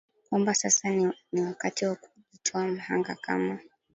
kwamba sasa ni wakati sasa wa kujitoa mhanga kama